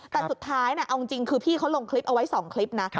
แต่สุดท้ายเอาจริงคือพี่เขาลงคลิปเอาไว้๒คลิปนะ